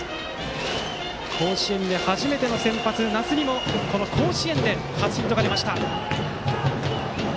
甲子園で初めての先発・那須にもこの甲子園で初ヒットが出ました。